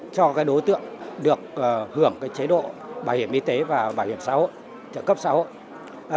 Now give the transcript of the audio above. cho đối tượng được hưởng chế độ bảo hiểm y tế và bảo hiểm trợ cấp xã hội